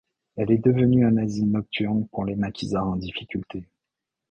Elle est devenue un asile nocturne pour les maquisards en difficulté.